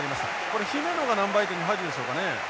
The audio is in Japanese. これ姫野がナンバー８に入るんでしょうかね。